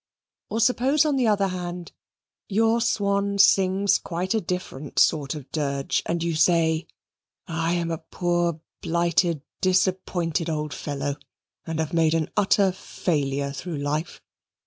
Or suppose, on the other hand, your swan sings quite a different sort of dirge and you say, "I am a poor blighted, disappointed old fellow, and have made an utter failure through life.